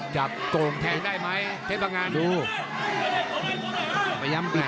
กับโตลมแทงได้ไหมเทปอังอาณ